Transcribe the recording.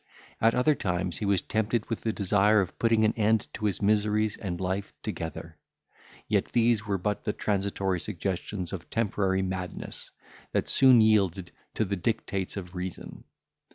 At other times he was tempted with the desire of putting an end to his miseries and life together. Yet these were but the transitory suggestions of temporary madness, that soon yielded to the dictates of reason.